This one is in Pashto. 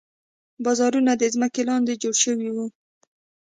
بازارونه د ځمکې لاندې جوړ شوي وو.